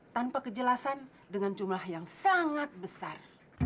tanpa kejelasan dengan jumlah yang sangat besar